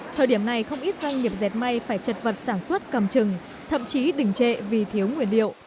thời điểm này không ít doanh nghiệp dệt may phải chật vật sản xuất cầm trừng thậm chí đỉnh trệ vì thiếu nguyên liệu